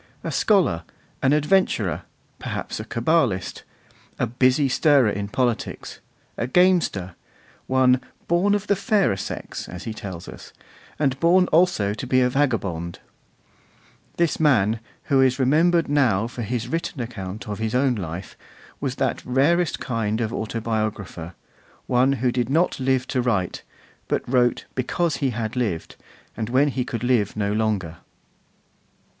A scholar, an adventurer, perhaps a Cabalist, a busy stirrer in politics, a gamester, one 'born for the fairer sex,' as he tells us, and born also to be a vagabond; this man, who is remembered now for his written account of his own life, was that rarest kind of autobiographer, one who did not live to write, but wrote because he had lived, and when he could live no longer.